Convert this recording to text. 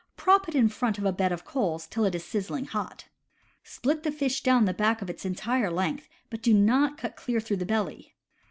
Prop it in front of a bed of coals till it is sizzling hot. Split the fish down the back its entire length, but do not cut clear through the belly.